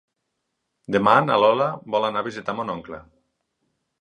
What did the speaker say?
Demà na Lola vol anar a visitar mon oncle.